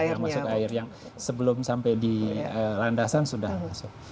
termasuk air yang sebelum sampai di landasan sudah masuk